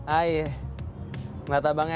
aih ngeri banget